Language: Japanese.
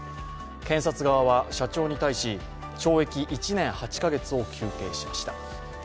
検察側は社長に対し、懲役１年８カ月を求刑しました。